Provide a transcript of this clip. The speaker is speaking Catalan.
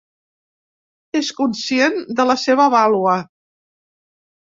És conscient de la seva vàlua.